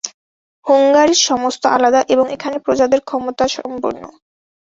হুঙ্গারীর সমস্ত আলাদা, এবং এখানে প্রজাদের ক্ষমতা সম্পূর্ণ।